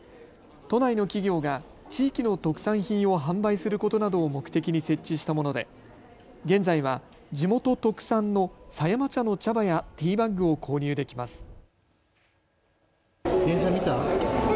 都内の企業が地域の特産品を販売することなどを目的に設置したもので現在は地元特産の狭山茶の茶葉やティーバッグを購入できます。